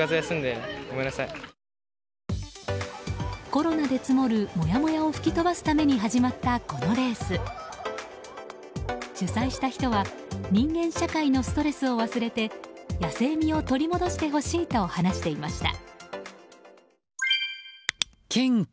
コロナで積もるもやもやを吹き飛ばすために始まった、このレース。主催した人は人間社会のストレスを忘れて野性味を取り戻してほしいと話していました。